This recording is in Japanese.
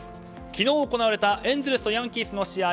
昨日行われたエンゼルスとヤンキースの試合